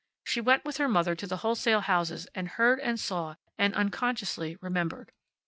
She went with her mother to the wholesale houses and heard and saw and, unconsciously, remembered.